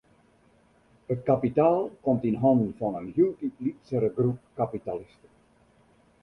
It kapitaal komt yn hannen fan in hieltyd lytsere groep kapitalisten.